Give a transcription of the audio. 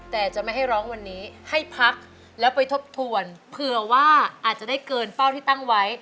แต่จะไม่ให้ร้องวันนี้ให้พักแล้วไปทบทวนเผื่อว่าอาจจะได้เกินเป้าที่ตั้งไว้